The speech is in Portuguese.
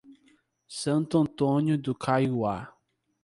Santo Antônio do Caiuá